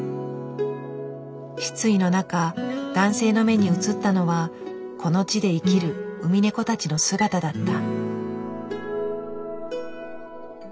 失意の中男性の目に映ったのはこの地で生きるウミネコたちの姿だった。